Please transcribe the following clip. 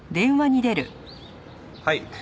はい。